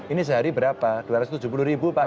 ini sehari berapa rp dua ratus tujuh puluh pak